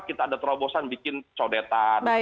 kita ada terobosan bikin codeta